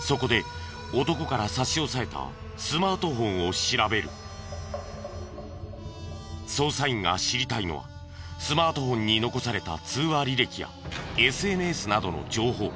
そこで男から差し押さえた捜査員が知りたいのはスマートフォンに残された通話履歴やＳＮＳなどの情報。